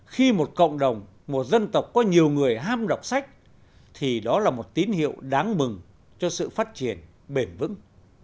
khi một cộng đồng một dân tộc có nhiều người ham đọc sách thì đó là một tín hiệu đáng mừng cho sự phát triển bền vững